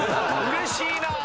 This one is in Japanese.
うれしいなぁ！